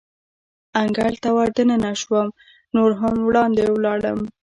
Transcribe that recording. انګړ ته ور دننه شوم، نور هم وړاندې ولاړم.